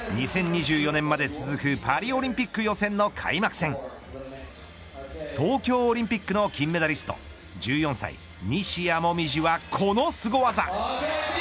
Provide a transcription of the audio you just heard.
２０２４年まで続くパリオリンピック予選の開幕戦東京オリンピックの金メダリスト１４歳、西矢椛はこのすご技。